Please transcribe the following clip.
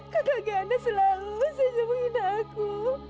kakak giana selalu saja menghina aku